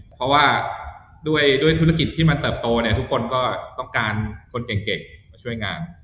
เพราะว่าด้วยธุรกิจที่มันเติบโตเนี่ยทุกคนก็ต้องการคนเก่งมาช่วยงาน